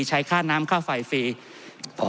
ใช้ค่าน้ำค่าไฟฟรี